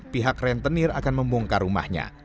pihak rentenir akan membongkar rumahnya